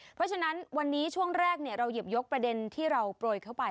เพราะฉะนั้นวันนี้ช่วงแรกเราหยิบยกประเด็นที่เราโปรยเข้าไป